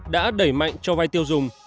đã đẩy mạnh cho vay tiêu dùng